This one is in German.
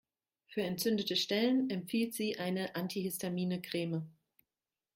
Für entzündete Stellen empfiehlt sie eine antihistamine Creme.